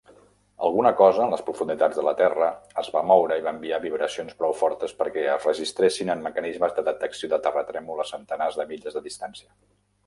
Alguna cosa en les profunditats de la Terra es va moure i va enviar vibracions prou fortes perquè es registressin en mecanismes de detecció de terratrèmol a centenars de milles de distància.